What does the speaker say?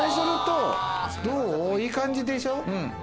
いい感じでしょ。